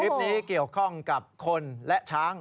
คลิปนี้เกี่ยวข้องกับคนและช้าง